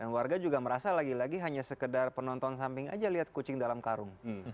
dan warga juga merasa lagi lagi hanya sekedar penonton samping aja lihat kucing dalam karung